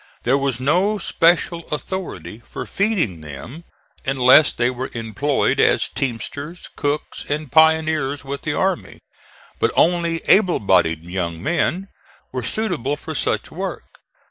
There was no special authority for feeding them unless they were employed as teamsters, cooks and pioneers with the army; but only able bodied young men were suitable for such work.